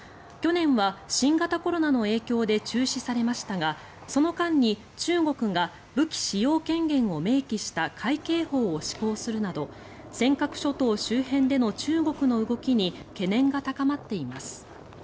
去年は新型コロナの影響で中止されましたがその間に中国が武器使用権限を明記した海警法を施行するなど尖閣諸島周辺での中国の動きに懸念が高まっています。